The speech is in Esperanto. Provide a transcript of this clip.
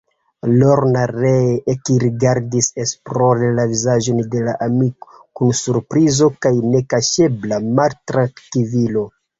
Lorna ree ekrigardis esplore la vizaĝon de la amiko, kun surprizo kaj nekaŝebla maltrankvilo.